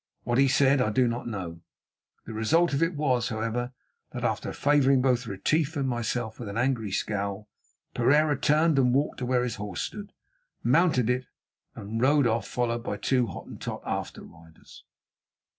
What he said I do not know. The result of it was, however, that after favouring both Retief and myself with an angry scowl, Pereira turned and walked to where his horse stood, mounted it, and rode off, followed by two Hottentot after riders.